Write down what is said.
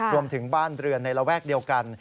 รวมถึงบ้านเรือนในระแวกเดียวกัน